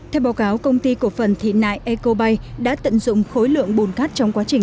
theo báo cáo công ty cổ phần thị nại ecobay đã tận dụng khối lượng bùn cát trong quá trình